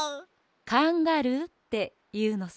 「カンガルー」っていうのさ。